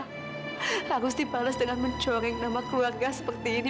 harus dibalas dengan mencoreng nama keluarga seperti ini